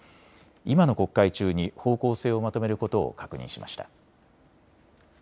今の国会中に方向性をまとめることを確認しました。